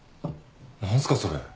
何すかそれ？